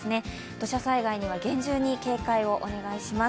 土砂災害には厳重に警戒をお願いします。